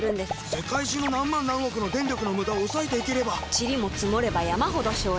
世界中の何万何億の電力のムダを抑えていければチリも積もれば山ほど省エネ。